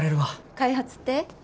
開発って？